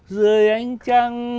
dưới ánh trăng